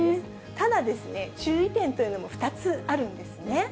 ただですね、注意点というのも２つあるんですね。